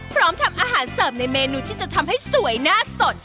ทำอาหารเสิร์ฟในเมนูที่จะทำให้สวยหน้าสด